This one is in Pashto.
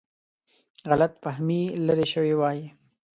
غلط فهمي لیرې شوې وای.